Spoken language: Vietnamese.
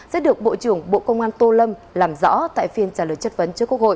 sẽ được bộ trưởng bộ công an tô lâm làm rõ tại phiên trả lời chất vấn trước quốc hội